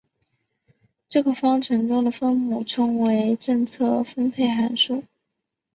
这个方程中的分母称为正则配分函数。